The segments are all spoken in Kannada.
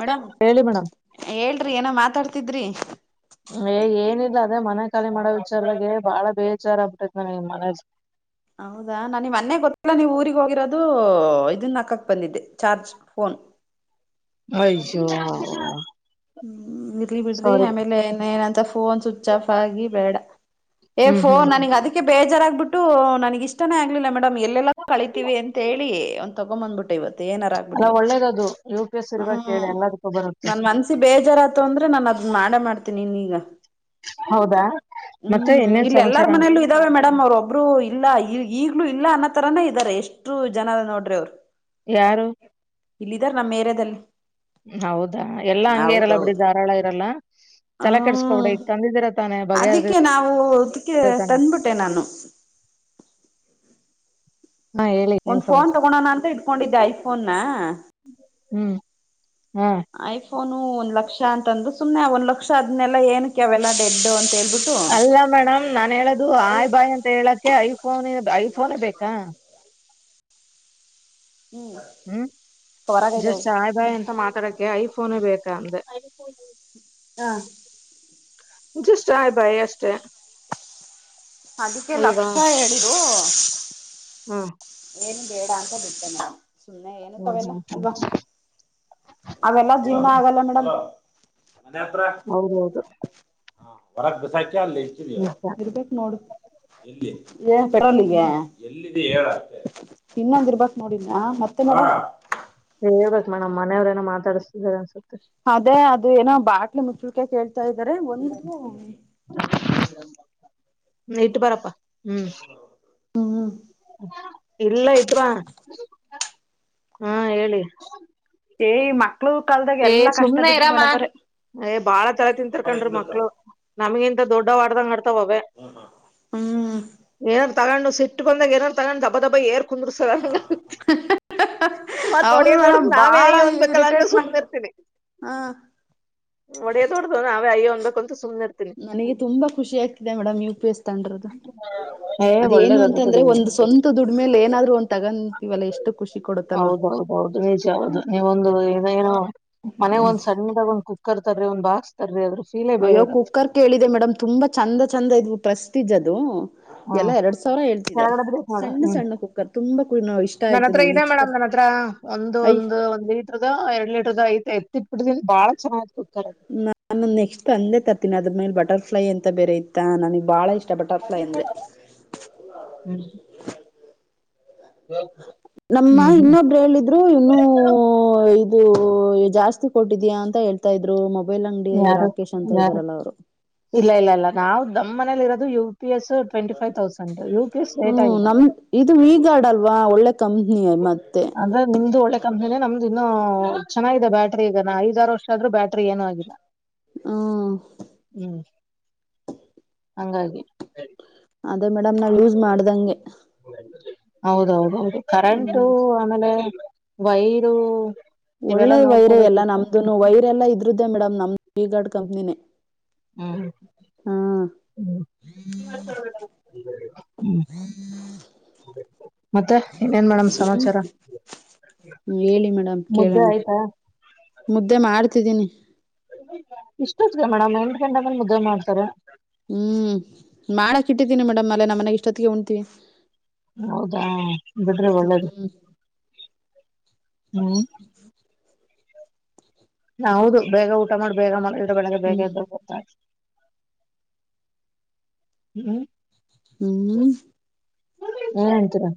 ಮೇಡಮ್ ಹೇಳಿ ಮೇಡಮ್ ಹೇಳ್ರಿ ಏನೋ ಮಾತಾಡ್ತಿದ್ರಿ ಏ ಏನಿಲ್ಲ ಅದೇ ಮನೆ ಖಾಲಿ ಮಾಡೋ ವಿಚಾರದಾಗೆ ಬಾಳ ಬೇಜಾರ ಆಗ್ಬಿಟ್ಟೈತ್ ಮನೆ ಹೌದಾ ನಾ ನಿ ಮೊನ್ನೆ ಗೊತ್ತಿಲ್ಲ ನೀವು ಊರಿಗ್ ಹೋಗಿರೋದು ಓ ಇದನ್ ನಾಕಕ್ ಬಂದಿದ್ದೆ ಚಾರ್ಜ್ ಫೋನ್ ಅಯ್ಯೋ ಹ್ಮ್ ಇಲ್ರಿ ಬಿಡ್ರಿ ಸಾರಿ ಆಮೇಲೆನ ಫೋನ್ ಸ್ವಿಚ್ ಆಫ್ ಆಗಿ ಬೇಡ ಏ ಹ್ಮ್ ಹ್ಮ್ ಫೋನ್ ನನಗ್ ಅದಕ್ಕೆ ಬೇಜಾರ ಬಿಟ್ಟು ನನಗ ಇಷ್ಟಾನೇ ಆಗ್ಲಿಲ್ಲ ಮೇಡಮ್ ಎಲ್ಲೆಲ್ಲಾ ಕಳಿತೀವಿ ಅಂತ ಹೇಳಿ ಒಂದು ತಗೊ್ಂಬಂದ್ಬಿಟ್ಟೆ ಇವತ್ತು ಏನಾರ ಅಲ್ಲ ಆಗ್ಬಿಡ್ಲಿ ಒಳ್ಳೇದದು ಯು ಪಿ ಎಸ್ ಇರ್ಬೇಕ ಹೇಳಿ ಹ್ಮ್ ಎಲ್ಲದಕ್ಕೂ ಬರುತ್ತೆ ನನ್ ಮನಸ್ ಬೇಜಾರಾತು ಅಂದ್ರೆ ನಾನು ಅದ್ನ್ ಮಾಡ ಮಾಡ್ತೀನಿ ಇಗ ಹೌದಾ ಮತ್ತೆ ಹ್ಮ್ ಇನ್ನೇನ್ ಇಲ್ಲ ಎಲ್ಲಾರ ಸಮಾಚಾರ ಮನೆಯಲ್ಲೂ ಇದಾವೆ ಮೇಡಮ್ ಅವ್ರೊಬ್ರು ಇಲ್ಲ ಈ ಈಗ್ಲೂ ಇಲ್ಲ ಅನ್ನೋ ತರಾನೇ ಇದ್ದಾರೆ ಎಷ್ಟು ಜನ ನೋಡ್ರಿ ಅವ್ರು ಯಾರು ಇಲ್ಲಿದಾರ ನಮ್ಮ್ ಏರಿಯಾದಲ್ಲಿ ಹೌದಾ ಎಲ್ಲಾ ಹಂಗೆ ಇರಲ್ಲಾ ಬಿಡಿ ಹೌದೌದು ಧಾರಾಳ ಇರಲ್ಲ ತಲೆ ಹ್ಮ್ ಕೆಡ್ಸ್ಕೊಬಿಡಿ ಈಗ ತಂದಿದ್ದೀರ ತಾನೆ ಅದಿಕ್ಕೆ ಬಗೆಹರ್ದಿರ ನಾವು ಅದಕ್ಕೆ ತಾನೆ ತಂದ್ಬಿಟ್ಟೆ ನಾನು [inaudible] ಹಾ ಹೇಳಿ ಏನ್ ಒಂದ್ ಫೋನ್ ಸಮಾಚಾರ ತಗೋಳೋಣ ಅಂತ ಇಟ್ಕೊಂಡಿದ್ದೆ ಐಫೋನ್ ಹ್ಮ್ ಹಾ ಆಯಫೋನ್ ಅವನು ಒಂದ ಲಕ್ಷ ಅಂತ ಅಂದ್ರೆ ಸುಮನೆ ಒಂದ ಲಕ್ಷ ಅದ್ನೆಲ್ಲಾ ಏನಕ್ಕೆ ಅವೆಲ್ಲಾ ಡೆಡ್ ಅಂತಿ ಅಲ್ಲ ಮೇಡಮ್ ನಾನನ್ ಹೇಳದು ಆಯ್ ಬಾಯಿ ಅಂತ ಹೇಳಕ್ಕೆ ಐಫೋನ್ ಐಫೋನ್ ಬೇಕಾ ಹ್ಮ್ ಹ್ಮ್ ಜಸ್ಟ್ ಹೊರಗಿದವು ಸಾಯ್ ಬಾಯಿ ಎಂತ ಮಾತಾಡಕ್ಕೆ ಯ ಫೋನ ಬೇಕ [unintelligible] ಹಾ ಜಸ್ಟ್ ಆಯ್ ಬಾಯ್ ಅಷ್ಟೆ ಅದಕ್ಕೆ ಲಕ್ಷ ಹೇಳಿರು. ಹ್ಮ ಏನು ಬೇಡ ಅಂತ ಬಿಟ್ಟೇ ನಾನು ಸುಮ್ನೆ ಏನಕ್ ಹ್ಮ್ ಅವೆಲ್ಲ ಹ್ಮ್ ಅಲ್ವಾ. ಅವೆಲ್ಲಾ ಜೀವನಾ ಹ್ಮ್ ಆಗಲ್ಲ ಮೇಡಮ್. ಹೌದೌದು. ಹ ಹೊರಕ್ ಬಿಸಾಕಿ ಅಲ್ಲಿ ಇಟ್ಟಿದಿಯ ನಿಜ ಇರ್ಬೇಕ ನೋಡು ಎಲ್ಲಿ. ಏ ಪೇಟ್ರೋಲ್ಗೇ ಹ್ಮ್ ಎಲ್ಲಿದಿ ಹೇಳ್ ಅಷ್ಟೆ. ಇನ್ನೊಂದ್ ಇರ್ಬಕ್ ನೋಡಿದ್ನ ಮತ್ತೆ ನೋಡು. ಹೇಳ ಬೆಕ್ ಮೇಡಮ್ ಮನೆಯವ್ರೇನೊ ಮಾತಾಡ್ಸ್ತಿದಾರೆ ಅನ್ಸುತ್ತ. ಅದೇ ಅದು ಏನೋ ಬಾಟ್ಲಿ ಮುಚ್ಚಳ್ಕೆ ಕೇಳ್ತಾ ಇದಾರೆ ಒಂದು. ಹ್ಮ ಇಟ್ಟು ಬಾರಪ್ಪ ಹ್ಮ್. ಹ್ಮ್ ಇಲ್ಲೆ ಇಟ್ವ ಬಾ ಹಾ ಹೇಳಿ. ಎ ಮಾ. ಏ ಸುಮ್ನೆ ಇರಮಾ ಏ ಬಾಳಾ ತಲೆ ತಿಂತರ್ ಕಂಡ್ರಿ ಮಕ್ಳು ನಮಗಿಂತ. ದೊಡ್ಡವ ಆಡದಂಗ್ ಆಡ್ತಾವ್ ಅವೇ. ಹ್ಮ್ ತಗಂಡು ಸಿಟ್ಟುಬಂದಂಗ್ ಏನರ ತಗಂಡ್ ದಬ ದಬ ಹೇರ್. ಕುಂದ್ರ ಸರ ಮತ್ ಹೌದು ಹೊಡಿಯೋದ್ ಹೊಡದ್ ಮೇಡಮ್ ನಾವೇ ಬಾಳ ಅಯ್ಯೊ ಅನ್ಬೇಕಲ್ಲ ಅಂತ ಇರಿಟೇಟ್ ಮಾಡ್ ಸುಮ್ನೆ ಇರ್ತ. ಹ ಹೊಡಿಯೋದ್ ಹೊಡ್ದ ನಾವೇ ಅಯ್ಯೋ ಅನ್ಬೇಕು. ಅಂತ ಸುಮ್ನಿರ್ತೀನಿ ನನಗೆ ತುಂಬಾ ಖುಷಿ ಆಗ್ತಿದೆ ಮೇಡಮ್ ನೀವ್ ಪಿಸ್ ತಂಡಿರೋದು ಏ ಅದು ಏನು ಅಂತ. ಒಳ್ಳೇದದು ಅಂದ್ರೆ ಬಿಡಿ ಒಂದ್ ಸ್ವಂತ ದುಡ್ಮೇಲಿ ಏನಾದ್ರು ಒಂದ್ ತಗೊಂತೀವಲ್ಲ ಎಷ್ಟು ಖುಷಿ ಕೊಡುತ್ತಲ್ವ. ನೀವ ಒಂದು ಇದ ಏನೊ ಮನೆ ಒಂದ್ ಸಣ್ಣದಾಗ ಒಂದ್ ಕುಕ್ಕರ್ ತರಿ ಒಂದ್ ಬಾಕ್ಸ್ ತರಿ ಅದ್ರ. ಫೀಲೇ ಅಯ್ಯೋ ಬೇರೆ ಇರುತ್ತೆ ಕುಕ್ಕರ್ ಕೇಳಿದೆ ಮೇಡಮ್ ತುಂಬಾ ಚಂದ ಚಂದ ಇದ್ವು ಪ್ರೆಸ್ಟೀಜ್ ಅದು. ಹಾ ಎಲ್ಲಾ ಎರಡ್ ಸಾವಿರ ಹೇಳ್ತಿದ್ದಾರೆ ಕೆಳಗಡೆದ್ರೆ ನೋಡ ಸಣ್ಣ ಹ್ಮ್ ಸಣ್ಣ ಕುಕ್ಕರ್ ತುಂಬಾ ಇಷ್ಟ ನನ್ ಆಯ್ತು ಹತ್ರ ನನಗ ಇದೆ ನೆಕ್ಸ್ಟ್ ಮೇಡಮ್ ನನ್ ಸರತಿ. ಒಂದು ಒಂದು ಒಂದ ಲೀಟರ್ ಎರಡ್ ಲೀಟರ್ ಐತೆ ಎತ್ತಿಟ್ಬಿಟ್ಟನಿ ಬಾಳ ಚನ್ನಾಗತ. ನಾನು ನೆಕ್ಸ್ಟ್ ತಂದೇ ತರ್ತೀನಿ ಅದ್ರ ಮೇಲೆ ಬಟರ್ಫ್ಲೈ ಅಂತ ಬೇರೆ ಇತ್ತಾ ನನಗ್ ಬಾಳ ಇಷ್ಟ. ಬಟರಫ್ಲೈ ಅಂದ್ರೆ. ಹ್ಮ್ ನಮ್ಮ ಹ್ಮ್ ಹ್ಮ್ ಇನ್ನೊಬ್ರು ಹೇಳಿದ್ರು ಇನ್ನೂ. ಜಾಸ್ತಿ ಕೊಟ್ಟಿದಯಾ ಅಂತ ಹೇಳ್ತಾ ಇದ್ರು. ಮೊಬೈಲ್ ಅಂಗಡಿ ಯಾರು ರಾಕೇಶ್ ಅಂತ ಯಾರು ಇದ್ದಾರಲ್ಲ ಅವರು ಇಲ್ಲ ಇಲ್ಲ ಇಲ್ಲ ನಾವು ನಮ್ಮ ಮನೇಲಿ ಇರೋದು ಇವ. ರೇಟ್ ಹ್ಮ್ ಆಗಿದೆ ನಮ್ದ ಇದು ವಿ ಗಾರ್ಡ್ ಅಲ್ವಾ ಒಳ್ಳೆ ಕಮ. ನೀ ಮತ್ತೆ. ತನೆ ನಮ್ದು ಇನ್ನ ಚೆನ್ನಾಗಿದೆ ಬ್ಯಾಟ್ರಿ ಈಗ ನಾ ಐದಾರು ವರ್ಷ ಆದ್ರೂ ಬ್ಯಾಟ್ರ ಏನು ಆಗಿಲ್ಲ. ಹ. ಹ್ಮ್ ಹಂಗಾಗಿ. ಅದೇ ಮೇಡಮ್ ನಾವು ಯೂಸ್ ಮಾಡ್ದಂಗೆ. ಹೌದೌದೌದು ಹ್ಮ್ ಕರೆಂಟು ಆಮೇಲೆ ವೈರು. ಒಳ್ಳೆ ಇವೆಲ್ಲಾ ವೈರ ಎಲ್ಲ ನೋಡ್ಕೋಬೇಕಿತ್ತು ನಮ್ದುನು ವೈರ್ ಎಲ್ಲ ಇದ್ರದ್ದೇ ಮೇಡಮ್ ನಮ್ದ ವಿ ಗಾರ್ಡ್ ಕಂಪ್ನಿನೇ. ಹ್ಮ. ಹಾ ಹ್ಮ ಹ್ಮ್. ಮತ್ತೆ ಇನ್ನೇನ್ ಮೇಡಮ್ ಸಮಾಚಾರಾ. ಹೇಳಿ ಮೇಡಮ್ ಕೇಳನಾ ಮುದ್ದೆ ಮಾಡ್ತಿದ್ದೀನಿ. ಇಷ್ಟೊತ್ಗೆ ಮೇಡಮ್ ಎಂಟ ಗಂಟೆ ಮೆಲ್ ಮುದ್ದೆ ಮಾಡ್ತಾರೆ. ಹ್ಮ್ ಮಾಡಕ ಇಟ್ಟಿದೀನಿ ಮೇಡಮ್ ಅಲ್ಲೇ ನಮ್ಮ್ ಮನೆಗ ಇಷ್ಟೊತ್ತಿಗೆ ಉಣ್ತೀವಿ. ಹೌದಾ ಬಿಡ್ರಿ ಒಳ್ಳೇದು. ಹ್ಮ್ ಹ್ಮ್. ಹಾ ಹೌದು ಬೇಗ ಊಟ ಮಾಡಿ ಬೇಗ ಮಲಗಿದ್ರೆ ಬೆಳಗ್ಗೆ ಬೇಗ ಹ್ಮ್ ಇದ್ದ ಹೋಗ್ಬೇಕು. ಹ್ಮ್. ಹ್ಮ್. ಹನ್ ಎಂತೀರಾ.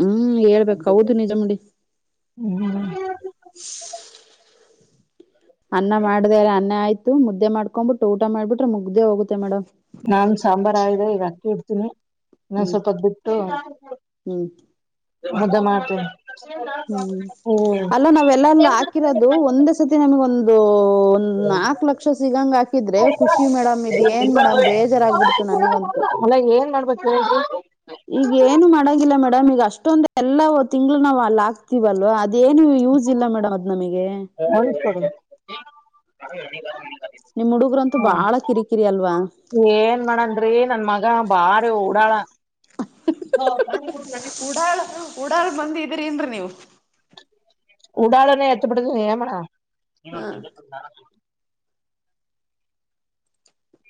ಹ್ಮ್ ಹೇಳ್ಬೇಕ್ ಹೌದು ನಿಜ ನೊಡಿ. ಹ್ಮ್. [unintelligible] ಅನ್ನ ಮಾಡ್ದೆ ಅನ್ನ ಆಯ್ತು ಮುದ್ದೆ ಮಾಡಕೊಂಡ ಬಿಟ್ಟು ಊಟ ಮಾಡಬಿಟ್ಟರೆ ಮುಗ್ದೇ ಹೋಗುತ್ತೆ ಮೇಡಂ. [unintelligible] ನಾನ ಸಾಂಬಾರ ಆಯದೆ ಈಗ ಅಕ್ಕಿ ಇಡ್ತೀನಿ. [unintelligible] ಇನ್ನ ಹ್ಮ್ ಸ್ವಲ್ಪತ್ತ ಬಿಟ್ಟು ಹ್ಮ್ ಮುದ್ದೆ ಮಾಡ್ತೀನಿ. [unintelligible] ಹೂ ಹ್ಮ್ ಅಲ್ಲ ನಾವೆಲ್ಲ ಅಲ್ಲಿ ಹಾಕಿರೋದು ಒಂದ್ ಸತಿ ನಮಗ ಒಂದು? [unintelligible] ಒಂದ್ ನಾಲ್ಕ ಲಕ್ಷ ಸಿಗಂಗ ಹಾಕಿದ್ರೆ ಖುಷಿ ಮೇಡಂ ಇದ ಏನ್ ಮೇಡಂ ಬೇಜಾರಾಗಗ್ಬಿಡ್ತು ನನಗಂತು [unintelligible] ಅಲ್ಲ ಏನ್ ಮಾಡಬೇಕ್ ಹೇಳ್ರಿ. ಕೊಡೋ [unintelligible] ಈಗ ಏನು ಮಾಡಂಗಿಲ್ಲ ಮೇಡಂ ಈಗ ಅಷ್ಟೊಂದ ಎಲ್ಲಾವ ತಿಂಗಳ ನಾವ ಅಲ್ಲ ಹಾಕ್ [unintelligible] ತಿಳಿವಲೂ ಅದೇನು ಯೂಸ ಇಲ್ಲ ಮೇಡಂ ಅದ್ ನಮಗೆ. [unintelligible] ಹಾಗ [unintelligible] ನಿಮ್ಮ ಹುಡುಗ್ರಂತೂ ಬಾಳ ಕಿರಿಕಿರಿ ಅತ್ತ [unintelligible] ಏನ್ ಮಾಡನ ರಿ ನನ್ನ ಮಗಾ ಬಾರಿ ಉಡಾಳ. [unintelligible] ಹೌದಾ ನಿಮಗ ನಡೆತ [unintelligible] ಉಡಾಳ ಮಂದಿ ಇದ್ದೀರಿ ಇಲ್ಲ ನೀವ. [unintelligible] ಉಡಳನ ಹೆತ್ತ ಬಿಟ್ಟಿನ ಏನ ಮಾಡೋನಾ? ಹಾ [unintelligible]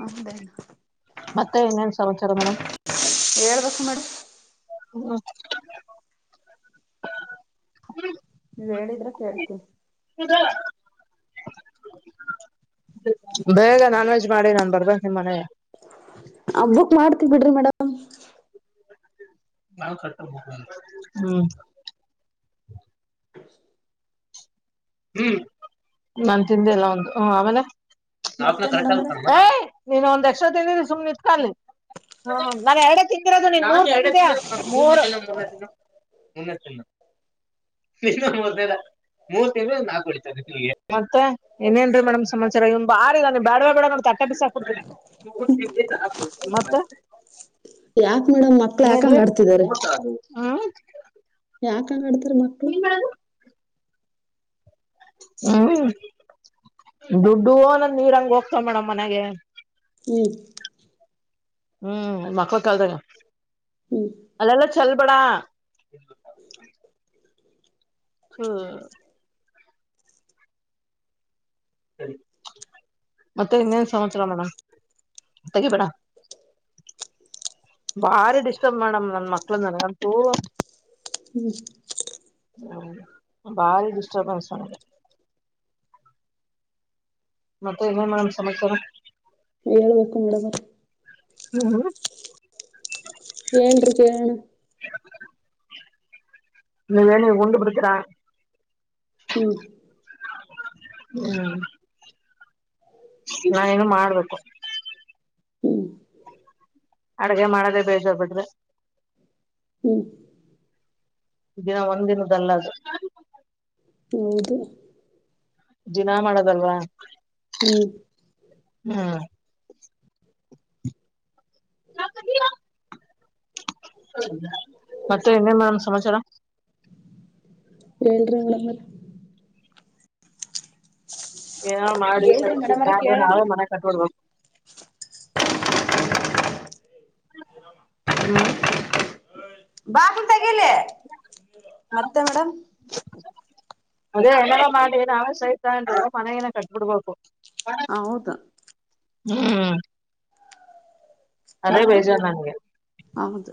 ಅಂದೇ ಹೇಳ್ಬೇಕು ಮತ್ತೆ ಇನ್ನೇನ್ ಸಮಾಚಾರ ಮೇಡಮ್ ಮೇಡಂ? [unintelligible] ಕುತ್ತಗೂ ಹ [unintelligible] ನೀವ್ ಹೇಳಿದ್ರೆ ಕೇಳ್ತನೀ. [unintelligible] ಕುಡ್ಡ್ ಬೇಗ ನಾನ್ ವಜ್ [unintelligible] ಮಾಡಿಗ ನಾ ಬರ್ಬೇಕ ನಿಮ್ಮ ಮನೆ [unintelligible] ಹಬ್ಬುಕ್ ಮಾಡತ್ತಿ ಬಿಡ್ರಿ ಮೇಡಂ. [unintelligible] ನಾವು ತಟ್ಟಕ ಹೂ [unintelligible] ಹೂ ನಾನ್ ತಿಂದೆ ಎಲ್ಲ ಒಂದು ಹ ಆಮೇಲೆ? [unintelligible] ಅಪ್ಪನ ಮತ್ತೆ ಕರೇಟ್ಟ ಮೇಡಮ್ ಆಗಿ ಅವ್ರೆ ಉಂತಾನ ಏ ನೀನ್ ಒಂದ್ ಎಕ್ಸ್ಟ್ರಾ ತಿಂದಿರಿ ಸುಮ್ನೆ ಇಲ್ಲ ತಾ ಇಲ್ಲಿ. [unintelligible] ಹ ನಾನ ಎರಡೆ ತಿಂತಿರೋದು ನಾನು ಎರಡೆ ತಿಂತಿರೋದು ನಂಗ್ ಗೊತ್ತ ಇಲ್ಲ ನೀನ್ ಮೂರ ತಿಂದೆ ಮೂರ [unintelligible] ಮುನ್ನ ತಿನ್ನು. [unintelligible] ತಿನ್ನ ನಾ ತೋಳಿತೀನಿ ನಿಮಗ ಏನ್ ಬೇಕ್ ಮತ್ತ ಇನ್ನ ಏನ್ರೀ ಮೇಡಂ ಸಮಾಚಾರ ಈವ್ ಬಾರಿ ಇದನ್ನ ಬ್ಯಾಡ ವೆ ಬೇಡ ತಟ್ಟೆ ಬಿಸಕ [unintelligible] ಹೂ ರಿ ಉಗಳ ತಿಂದಿದಾ ಮತ್ತ? [unintelligible] ಯಾಕ್ ಮೇಡಮ್ ಮಕ್ಳು ಏನ್ ರೀ ಯಾಕಂಗ್ ಆಡ್ತಿದ್ದಾರೆ ಊಟಾ ಹ [unintelligible] ಯಾಕಂಗ ಆಡ್ತಾರ ಮಕ್ಕಳು? [unintelligible] ಹೂ ದೊಡ್ಡವ ನೀರ್ ಹಂಗ ಹೋಗ್ತಾವ ಮೇಡಂ ಮನೆಗೆ [unintelligible] ಹೂ [unintelligible] ಹೂ ಮಕ್ಕಳ ಕಾಲದಾಗೆ ಹ್ಮ್ ಅಲ್ಲಲ್ಲ [unintelligible] ಚೆಲ್ಲ ಬೇಡಾ? [unintelligible] ಹೂ [unintelligible] ಸರಿ [unintelligible] ಮತ್ತೆ ಇನ್ನೇನ ಸಮಾಚರ ಮೇಡಂ ತಗಿಬೇಡ. [unintelligible] ಬಾರಿ ಡಿಸ್ಟರ್ಬ್ ಮೇಡಂ ನನ್ನ ಮಕ್ಕಳು ನನಗಂತೂ [unintelligible] ಹೂ [unintelligible] ಬಾರಿ ಡಿಸ್ಟರ್ಬನ್ಸ್ ನನಗೆ [unintelligible] ಮತ್ತೆ ಇನ್ನೇನ್ ಮೇಡಂ ಸಮಾಚಾರ? [unintelligible] ಹೇಳಬೇಕು ಮೇಡಂ ರ [unintelligible] ನೀವು [unintelligible] ಹೆಂಡರಿಗೆ. [unintelligible] ನೀವ ಹೇಳಿ ಉಂಡ್ ಬಿಡಿತ್ತಿರಾ? [unintelligible] ಹೂ [unintelligible] [inaudible] ಹ [unintelligible] ನಾ ಏನ್ ಮಾಡಬೇಕು. [unintelligible] ಹು [unintelligible] ಅಡಗೆ ಮಾಡೋದೇ ಬೇಜಾರ್ ಬಿಡರಿ [unintelligible] ಹ್ಮ ದಿನ ಒಂದಿನದಲ್ಲದು ಹೌದು ದಿನಾ ಮಾಡದಲ್ವಾ ಹ್ಮ ಹಾ ಕಕದಯ ಮತ್ತೆ ಇನ್ನೇನ್ ಮೇಡಮ್ ಸಮಾಚಾರ ಹೇಳರಿಿ ನೋಡಮ್ಮಲ್ಲ ಏನೋ ಮಾಡ ಹೇಳ್ರಿ ಮೇಡಮರ ಕೇಳೋಣ ನಾವೇ ಮನ ಕಟ್ಕಡ್ಬೇಕು ಹ್ಮ್ ಬಾಕ ತೆಗಿಲಿ ಮತ್ತೆ ಮೇಡಮ್ ಅದೇ ಹನ್ನರ ಮಾಡಿ ನಾವ ಸಹಿತ ಅಂದ ಮನೆಯನ ಕಟ್ಬಿಡ್ಬೇಕು ಹ ಹೌದು ಹ್ಮ್ ಅದೇ ಮತ್ತೆ ಬೇಜಾರ ನಂಗೆ ಹೌದು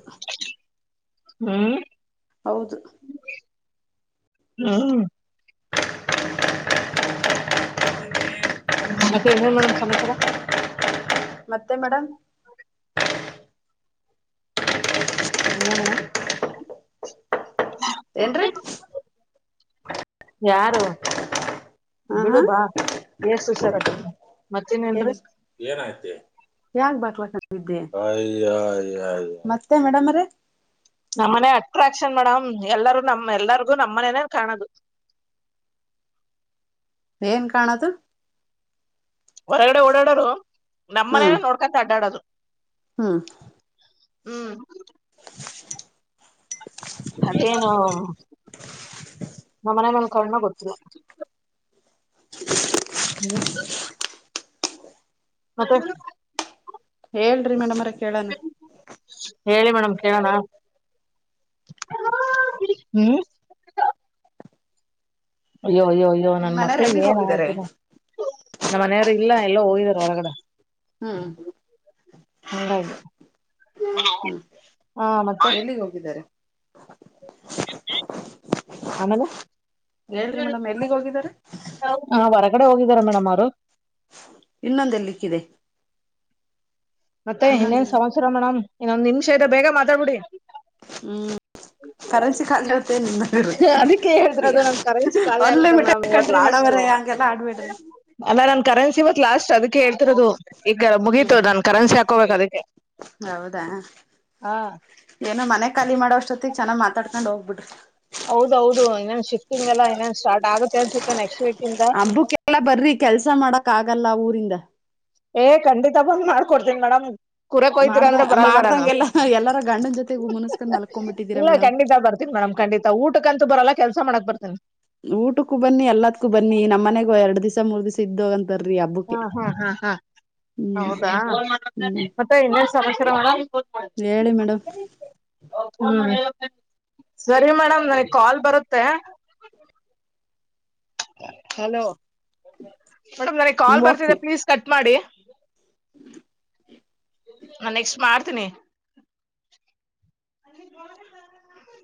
ಹ್ಮ್ ಹೌದು ಹ್ಮ ಮತ್ತೆ ಏನೇನ್ ಮೇಡಮ್ ಸಮಾಚಾರ ಮತ್ತೆ ಮೇಡ್ ಹ್ಮ್ ಏನ್ರೀ ಯಾರು ಹ ಹಾ ಬಿಳುಬಾ ಎಏಷ್ಟ ಹುಷಾರಾಗತೀನ ಮತ್ತನೇನ್ರಿ ಯಾ ಬಲ ಮತ್ತೆ ಮೇಡಮ್ ಅವರೇ ನಮ್ಮನೆ ಅಟ್ರಾಕ್ಷನ್ ಮೇಡಮ್ ಎಲ್ಲರ ನಮ ಎಲ್ಲರಿಗೂ ನಮ್ಮನೇನೇ ಕಾಣದು [inaudible] ಏನ್ ಕಾಣದು ಹೊರಗಡೆ ಓಡಾಡೋರು ನಮ್ಮನೇನ ನೋಡ್ಕಂತ ಅಡ್ಡಾಡೋದು ಹಾ ಹ್ಮ್ ಅದೇನು ನ ಮನ ಮೇಲ್ ಕರ್ಣ ಗೊತ್ತಿಲ್ಲ [unintelligible] ಹ್ಮ್ ಮತ್ತೆ ಹೇಳ್ರಿ ಮೇಡಮ್ರ ಕೇಳಣ ಹೇಳಿ ಮೇಡಮ್ ಕೇಳೋಣ ಹ್ಮ ಅಯ್ಯಯ್ಯೋ ಅಯ್ಯ ನಿಮ್ ನನ್ ಮನೆಯವ್ರು ಮಕ್ಳಿಗೆ ಎಲ್ಲಿಗ್ ಏನ್ ಹೋಗಿದ್ದಾರೆ ಆಯ್ತುನ ನಮ್ಮ ಮನೆಯವರು ಇಲ್ಲ ಎಲ್ಲ ಹೋಗಿದಾರ ಹೊರಗಡೆ ಹ್ಮ್ ಹಂಗಾಗಿ ಹ್ಮ್ ಹಾ ಮತ್ತೆ ಎಲ್ಲಿಗ್ ಹೋಗಿದ್ದಾರೆ [unintelligible] ಆಮೇಲೆ ಹೇಳ್ರಿ ಮೇಡಮ್ ಎಲ್ಲಿಗ್ ಹೋಗಿದಾರೆ ಹರ ಹೊಗಡೆ ಹೋಗಿದ್ದಾರೆ ಮೇಡಮ್ ಅವರು ಇನ್ನೊಂದೆಲ್ಲಿಕ್ಕಿದೆ ಮತ್ತೆ ಇನ್ನೇನ್ ಸಂವತ್ಸರ ಮೇಡಮ್ ಇನ್ನೊಂದ ನಿಮಷ ಇದೆ ಬೇಗ ಮಾತಾಡ್ಬಿಡಿ ಹ್ಮ್ ಕರಸಿ ಖಾಗಲ್ಲತ್ತ ಅದಕ್ಕೆ ಈ ಹೇಳಿದ್ರದು ನನ್ ಕರೆನ್ಸಿ ಖಾಲಿ ಒನ್ ಆಗುತ್ತೆ ಮೇಡಮ್ ಲಮಿಟೆಡ್ ಕಟ್ರಿ ಮೇಡವರ ಹಂಗೆಲ್ಲಾ ಆಡ್ಬಿಡ್ರಿ ಅಲ್ಲಾ ನನ್ ಕರೆನ್ಸಿ ಇವತ್ ಲಾಸ್ಟ್ ಅದಕ್ಕೆ ಹೇಳ್ತಿರೋದು ಈಗ ಹ್ಮ್ ಮುಗತದ ನಾನ್ ಕರೆನ್ಸಿ ಹಾಕೋಬೇಕು ಅದಕ್ಕೆ ಹೌದಾ ಹಾ ಏನು ಮನೆ ಖಾಲಿ ಮಾಡೋಷ್ಟೊ ಮ ಚನ್ನಾಗಿ ಮಾತಾಡ್ಕೊಂಡ್ ಹೋಗ್ಬಿ್ರಿ ಹೌದೌದು ಇನ್ನೇನ್ ಶಿಫ್ಟಿಂಗ್ಲ್ಲ ಇನ್ನೇನ್ ಸ್ಟಾರ್ಟ್ಗುತ್ತೆ ಅನ್ಸುತ್ತೆ ನೆಕ್ಸ್ಟ್ ವೀಕ್ ಇಂದ ಅಬ್ಬುಕ್ಕೆಲ್ಲ ಬರ್ರಿ ಕೆಲ್ಸ ಮಾಡಕ್ ಆಗಲ್ಲ ಊರಿಂದ ಏ ಖಂಡಿತ ಬಂದ್ ಮಾಡ್ಕೊಡ್ತೀನಿ ಮೇಡಮ್ ಕುರಕ್ೋಯ್ತಿರ ಮಾಡ್ದ ಅಂದ್ರೆ ಬರಲ್ ಬರಾನ ಮಾಡ್ದಂಗೆಲ್ಲ ಎಲ್ಲಾರ ಗಂಡನ ಜೊತೆಗ್ ಮುನ್ಸ್ಕೊಂಡ್ ಮಲ್ಕೊಂಡ್ಬಿಟ್ಟಿದೀರಾ ಇಲ್ಲ ಮೇಡಮ್ ಖಂಡಿತ ಬರ್ತನ್ ಮೇಡ್ ಖಂಡಿತ ಊಟಕಂತ ಬರಲ್ಲ ಕೆಲ್ಸ ಮಾಡಕ್ ಬರ್ತನಿ ಊಟಕ್ಕೂ ಬನ್ನಿ ಎಲ್ಲದಕ್ಕೂ ಬನ್ನಿ ನಮ್ಮ್ನೆಗೂ ಎರಡ್ ದಸ ಮೂರ್ ದಿವಸ ಇದ್ದ ಅಂತ ಹಾ ಹಾ್ ಹಾ ಹಾ ಹ್ಮ್ ಹೌದಾ ಹ್ಮ್ ಮತ್ತೆ ಇನ್ನೇ ಸಮಸರ ಹ ಹೇಳಿ ಮೇಡಮ್ ಸರಿ ಮೇಡಮ್ ನನಗ್ ಕಾಲ್ ಬರುತ್ತೆ ಹಲೋ ಮೇಡಮ್ ನನ ಕಾ ಹ್ಮ ಬರ್ತಿದೆ ಓಕೆ ಪ್ಲೀಸ್ ಕಟ್ ಮಾಡಿ ನಾ ನೆಕ್ಸ್ಟ್ ಮಾಡ್ತೀನಿ ಅ